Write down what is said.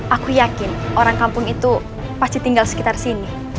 aku yakin orang kampung itu pasti tinggal sekitar sini